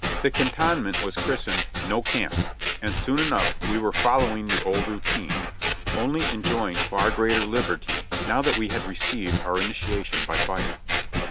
The cantonment was christened "No Camp," and soon enough we were following the old routine, only enjoying far greater lib erty now that we had received our initiation by fire.